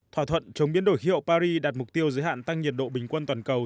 thỏa thuận chống biến đổi khí hậu paris đạt mục tiêu giới hạn tăng nhiệt độ bình quân toàn cầu